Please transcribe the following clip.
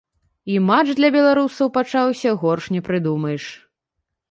І матч для беларусаў пачаўся горш не прыдумаеш.